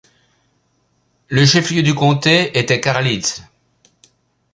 Le chef-lieu du comté était Carlisle.